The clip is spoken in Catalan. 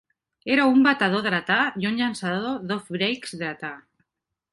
Era un batedor dretà i un llançador d'off-breaks dretà.